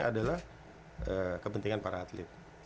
adalah kepentingan para atlet